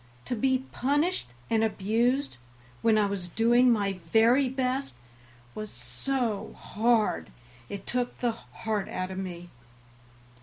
To be punished and abused when I was doing my very best was so hard it took the heart out of me.